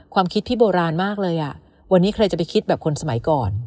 ความคิดที่โบราณมากเลยอ่ะวันนี้ใครจะไปคิดแบบคนสมัยก่อน